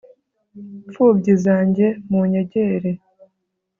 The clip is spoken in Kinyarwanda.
mfubyi zanjye munyegere